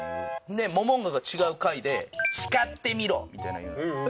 でモモンガが違う回で「叱ってみろ」みたいなん言うの。